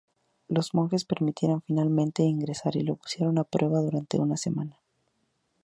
Los monjes le permitieron finalmente ingresar y lo pusieron a prueba durante una semana.